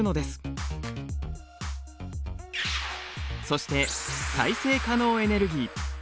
そして再生可能エネルギー。